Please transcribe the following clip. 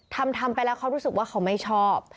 ทำทำไปแล้วเขารู้สึกว่าเขาไม่ชอบ